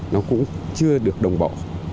nó cũng chưa được đồng bộ